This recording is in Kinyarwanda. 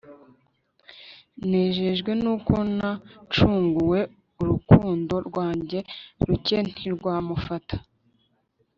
nejejwe nuko nacunguweurukundo rwanjye ruke ntirwamufata